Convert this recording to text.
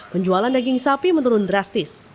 penjualan daging sapi menurun drastis